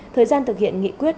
thời gian thực hiện nghị quyết